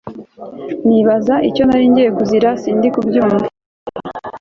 nibaza icyo naringiye kuzira numva sindi kubyumva